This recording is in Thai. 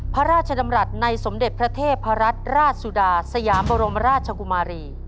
พระราชดำรัฐในสมเด็จพระเทพรัตนราชสุดาสยามบรมราชกุมารี